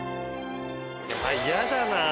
やだなぁ。